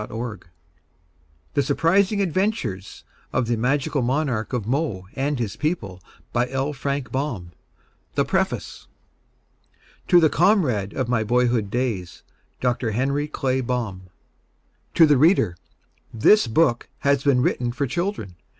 zip) THE SURPRISING ADVENTURES OF THE MAGICAL MONARCH OF MO AND HIS PEOPLE by L. FRANK BAUM With pictures by Frank Ver Beck 1903 To the Comrade of my boyhood days Dr. Henry Clay Baum TO THE READER This book has been written for children.